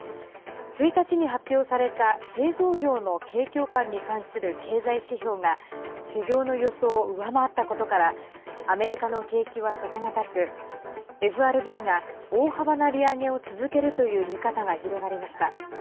１日に発表された、製造業の景況感に関する経済指標が市場の予想を上回ったことからアメリカの景気は底堅くＦＲＢが、大幅な利上げを続けるという見方が広がりました。